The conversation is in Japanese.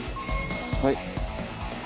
はい。